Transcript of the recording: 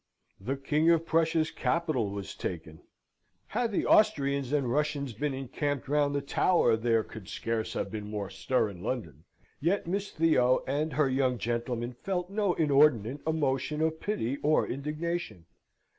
The King of Prussia's capital was taken; had the Austrians and Russians been encamped round the Tower there could scarce have been more stir in London: yet Miss Theo and her young gentleman felt no inordinate emotion of pity or indignation.